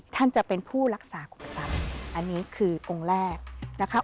ท่านจะเป็นผู้รักษาคุณทรัพย์อันนี้คือองค์แรกนะคะ